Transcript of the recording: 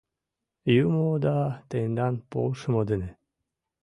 Юмо да тендан полшымо дене.